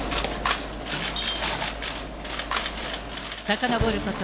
さかのぼること